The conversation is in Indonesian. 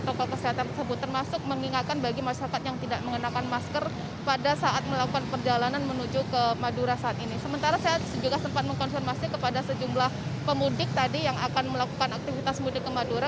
surada korespondensi nn indonesia ekarima di jembatan suramadu mencapai tiga puluh persen yang didominasi oleh pemudik yang akan pulang ke kampung halaman di madura